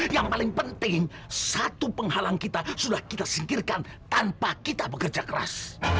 yang paling penting satu penghalang kita sudah kita singkirkan tanpa kita bekerja keras